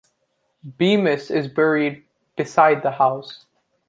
Bemis is buried beside the house.